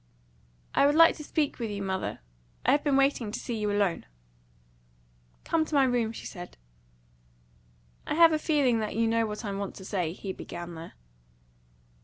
"I would like to speak with you, mother. I have been waiting to see you alone." "Come to my room," she said. "I have a feeling that you know what I want to say," he began there.